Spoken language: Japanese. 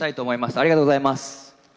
ありがとうございます。